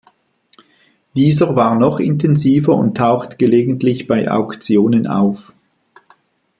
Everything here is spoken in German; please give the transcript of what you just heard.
Dieser war noch intensiver und taucht gelegentlich bei Auktionen auf.